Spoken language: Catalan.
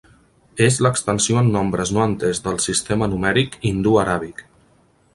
És l"extensió en nombres no enters del sistema numèric hindú-aràbic.